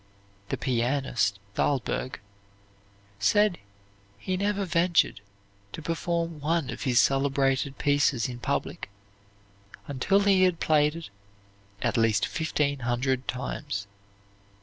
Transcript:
The pianist Thalberg said he never ventured to perform one of his celebrated pieces in public until he had played it at least fifteen hundred times.